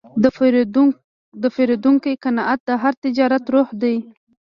د پیرودونکي قناعت د هر تجارت روح دی.